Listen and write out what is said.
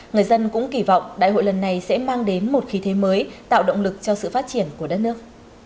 người dân cũng kỳ vọng đại hội lần này sẽ mang đến một khí thế mới tạo động lực cho sự phát triển của đất nước